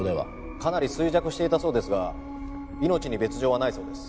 かなり衰弱していたそうですが命に別条はないそうです。